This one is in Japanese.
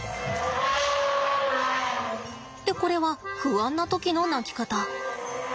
でこれは不安な時の鳴き方。